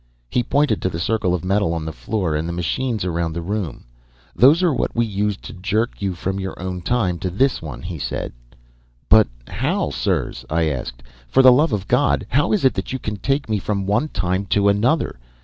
"He pointed to the circle of metal on the floor and the machines around the room. 'Those are what we used to jerk you from your own time to this one,' he said. "'But how, sirs?' I asked. 'For the love of God, how is it that you can take me from one time to another?